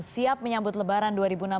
siap menyambut lebaran dua ribu enam belas